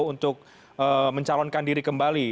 untuk mencalonkan diri kembali